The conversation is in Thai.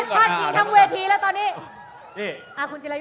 อเจมส์เดี๋ยวนะท่านกินทั้งเวทีแล้วตอนนี้คุณจิลายุอะ